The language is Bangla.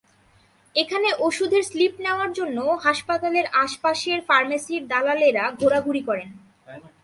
এখানে ওষুধের স্লিপ নেওয়ার জন্য হাসপাতালের আশপাশের ফার্মেসির দালালেরা ঘোরাঘুরি করেন।